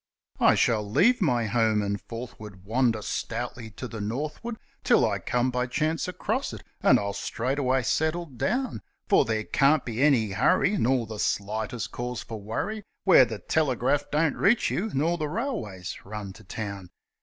I shall leave my home, and forthward wander stoutly to the northward Till I come by chance across it, and I'll straightway settle down, For there can't be any hurry, nor the slightest cause for worry Where the telegraph don't reach you nor the railways run to town.